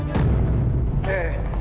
nanti aku akan beritahu